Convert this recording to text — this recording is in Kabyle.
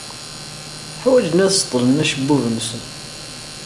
Ḥwajen ad seḍḍlen acebbub-nsen.